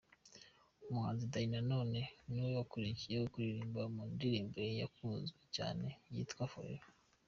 Umuhanzi Danny Nanone niwe wakurikiyeho kuririmba, mu ndirimbo ye yakunzwe cyane yitwa Forever.